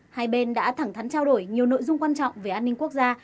hai bên đã thẳng thắn trao đổi nhiều nội dung quan trọng về an ninh quốc gia